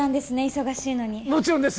忙しいのにもちろんです